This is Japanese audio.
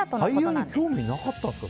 俳優に興味なかったんですか？